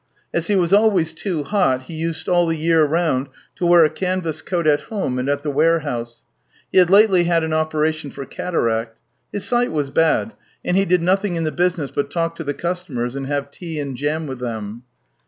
As he was always too hot, he used all the year round to wear a canvas coat at home and at the warehouse. He had lately had an operation for cataract. His sight was bad, and he did nothing in the business but talk to the customers and have tea and jam with them.